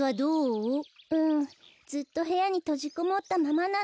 うんずっとへやにとじこもったままなの。